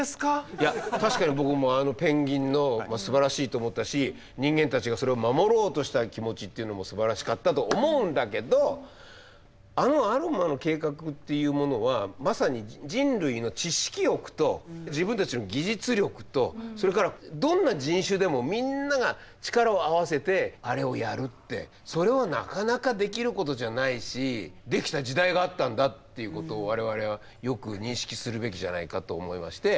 いや確かに僕もあのペンギンのすばらしいと思ったし人間たちがそれを守ろうとした気持ちっていうのもすばらしかったと思うんだけどあのアルマの計画っていうものはまさに人類の知識欲と自分たちの技術力とそれからどんな人種でもみんなが力を合わせてあれをやるってそれはなかなかできることじゃないしできた時代があったんだっていうことを我々はよく認識するべきじゃないかと思いまして。